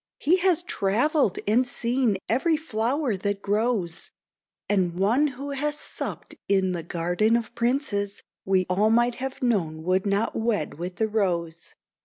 "He has travelled and seen every flower that grows; And one who has supped in the garden of princes, We all might have known would not we with the Rose."